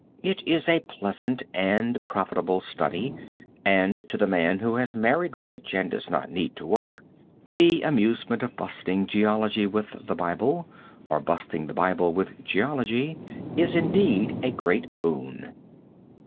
It is a pleasant and profitable study, and to the man who has married rich and does not need to work, the amusement of busting geology with the Bible, or busting the Bible with geology is indeed a great boon.